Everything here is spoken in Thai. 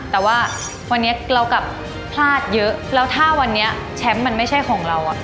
แต่ว่าวันนี้เรากลับพลาดเยอะแล้วถ้าวันนี้แชมป์มันไม่ใช่ของเราอะค่ะ